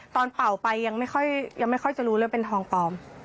ตอนเปล่าไปยังไม่ค่อยยังไม่ค่อยจะรู้เลยว่าเป็นทองปลอม